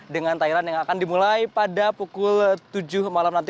dengan thailand yang akan dimulai pada pukul tujuh malam nanti